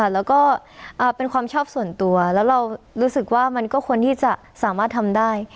แล้วก็เป็นความชอบส่วนตัวแล้วเรารู้สึกว่ามันก็ควรที่จะสามารถทำได้